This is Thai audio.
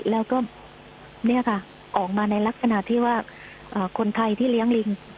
แล้วก็เนี่ยค่ะออกมาในลักษณะที่ว่าคนไทยที่เลี้ยงลิง